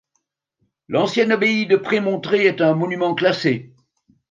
L'ancienne abbaye de Prémontrés est un monument classé.